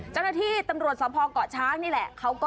จังหาที่ตำรวจสะพอกเกาะช้างนี่แหละ